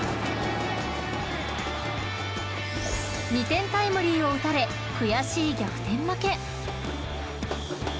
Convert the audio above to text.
［２点タイムリーを打たれ悔しい逆転負け］